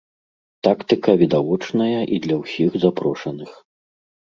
Тактыка відавочная і для ўсіх запрошаных.